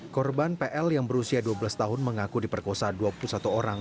korban pl yang berusia dua belas tahun mengaku diperkosa dua puluh satu orang